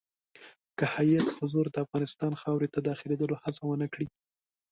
که هیات په زور د افغانستان خاورې ته داخلېدلو هڅه ونه کړي.